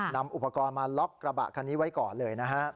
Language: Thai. นำอุปกรณ์มาล็อกกระบะคันนี้ไว้ก่อนเลยนะฮะ